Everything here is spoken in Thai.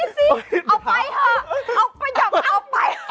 เอาไปเถอะ